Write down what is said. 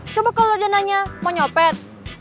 coba kalau udah nanya mau nyopet